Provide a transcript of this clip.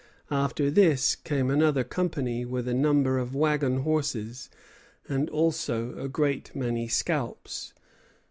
After this came another company with a number of wagon horses, and also a great many scalps.